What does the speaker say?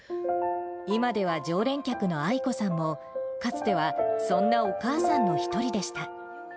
今では常連客のアイコさんも、かつては、そんなお母さんの一人でした。